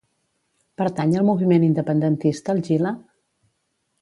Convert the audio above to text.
Pertany al moviment independentista el Gila?